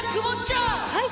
はい。